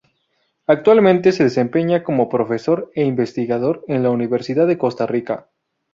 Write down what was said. Actualmente, se desempeña como profesor e investigador en la Universidad de Costa Rica.